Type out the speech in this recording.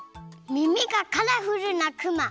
みみがカラフルなクマ！